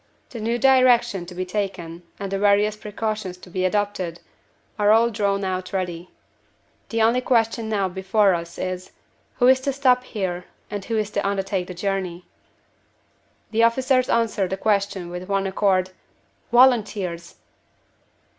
The new direction to be taken, and the various precautions to be adopted, are all drawn out ready. The only question now before us is, Who is to stop here, and who is to undertake the journey?" The officers answered the question with one accord "Volunteers!"